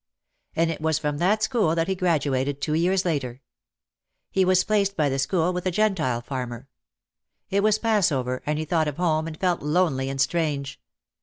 And it was from that school that he graduated two years later. He was placed by the school with a Gentile farmer. It was Passover and he thought of home and felt lonely and strange.